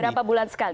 berapa bulan sekali